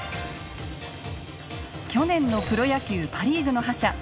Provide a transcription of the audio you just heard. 去年のプロ野球パ・リーグの覇者